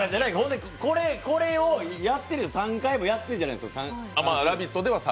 これを３回もやってるじゃないですか、３週連続。